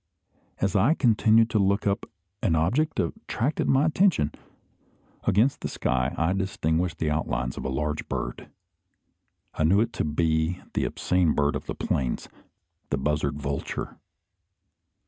As I continued to look up, an object attracted my attention. Against the sky I distinguished the outlines of a large bird. I knew it to be the obscene bird of the plains, the buzzard vulture.